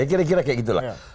kira kira kayak gitu lah